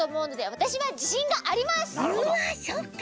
うわっそっか！